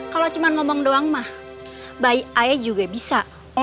kalau cuma ngomong doang mah ayah juga bisa